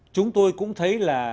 chúng tôi cũng thấy là